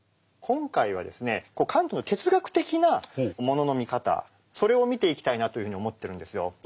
今回はカントの哲学的なものの見方それを見ていきたいなというふうに思ってるんですよ。